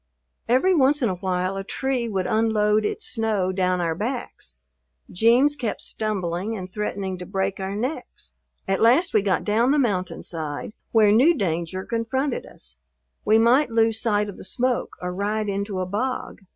Every once in a while a tree would unload its snow down our backs. "Jeems" kept stumbling and threatening to break our necks. At last we got down the mountain side, where new danger confronted us, we might lose sight of the smoke or ride into a bog.